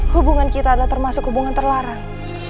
hubungan kita adalah termasuk hubungan terlarang